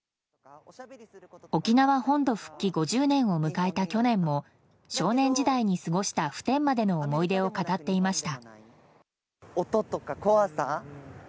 沖縄本土復帰５０年を迎えた去年も少年時代に過ごした普天間での思い出を語っていました。